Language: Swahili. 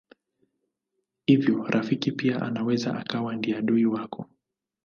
Hivyo rafiki pia anaweza akawa ndiye adui wako.